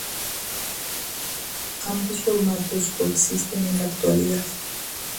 Ambos formatos coexisten en la actualidad.